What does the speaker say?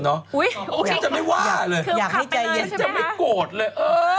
โอเคอยากให้ใจเย็นนะใช่ไหมคะอยากจะไม่ว่าเลยจะไม่โกรธเลย